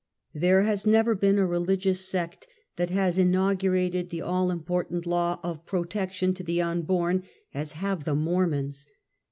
There has never been a reliorious sect that has in , augurated the all important law of protection toj the unborn as have the Mormons.